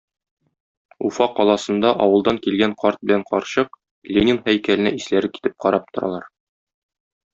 Уфа каласында авылдан килгән карт белән карчык Ленин һәйкәленә исләре китеп карап торалар.